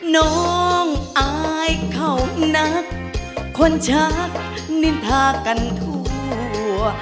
น้องอายเขานักคนชักนินทากันทั่ว